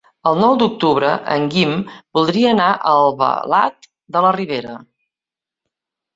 El nou d'octubre en Guim voldria anar a Albalat de la Ribera.